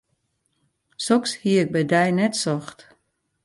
Soks hie ik by dy net socht.